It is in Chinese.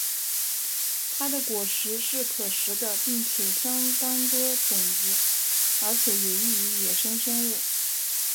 它的果实是可食的并且相当多种子而且有益于野生生物。